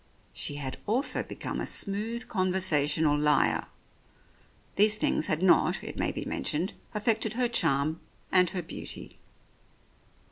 She had also become a smooth conversational liar. These things had not, it may be mentioned, affected her charm and her beauty.